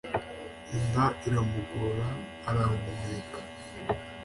Inda iramugora arahemuka.